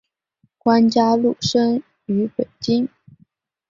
关嘉禄生于北京。